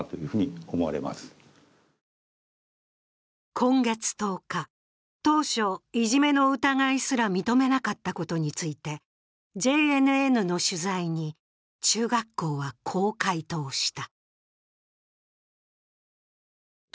今月１０日、当初いじめの疑いすら認めなかったことについて、ＪＮＮの取材に、中学校はこう回答した。